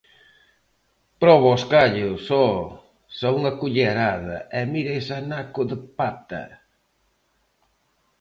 Proba os callos, ho; só unha cullerada, e mira ese anaco de pata.